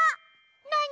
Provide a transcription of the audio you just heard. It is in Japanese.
なに？